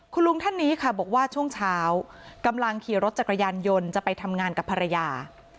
คุณลุงท่านนี้ค่ะบอกว่าช่วงเช้ากำลังขี่รถจักรยานยนต์จะไปทำงานกับภรรยา